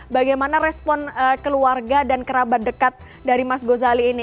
bagaimana respon keluarga dan kerabat dekat dari mas gozali ini